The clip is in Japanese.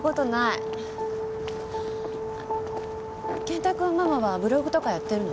健太君ママはブログとかやってるの？